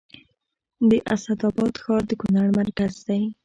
د اسعد اباد ښار د کونړ مرکز دی